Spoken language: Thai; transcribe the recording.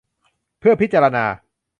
เพื่อพิจารณา